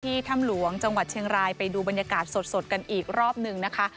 ถ้ำหลวงจังหวัดเชียงรายไปดูบรรยากาศสดกันอีกรอบหนึ่งนะคะ